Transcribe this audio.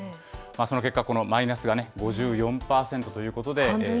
その結果、このマイナスが５４％ということで。